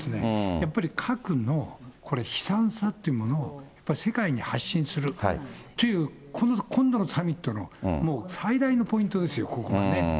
やっぱり核のこれ、悲惨さってものをやっぱり世界に発信するという、この今度のサミットの最大のポイントですよ、ここがね。